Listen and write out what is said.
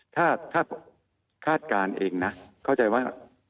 ถ้าคาดการณ์เองนะเข้าใจว่า